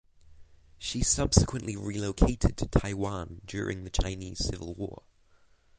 She subsequently relocated to Taiwan during the Chinese Civil War.